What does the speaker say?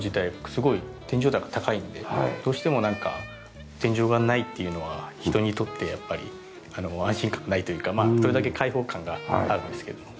すごい天井高高いんでどうしてもなんか天井がないっていうのは人にとってやっぱり安心感がないというかまあそれだけ開放感があるんですけれども。